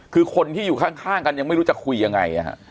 คือคนที่อยู่ข้างกันยังไม่รู้จะคุยยังไง